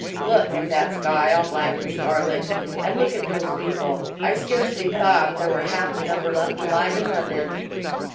Look at that sky, all black and scarlet; and look at those people I scarcely thought there were half the number left alive in London."